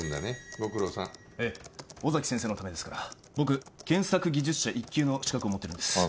ご苦労さんええ尾崎先生のためですから僕検索技術者１級の資格を持ってるんですああ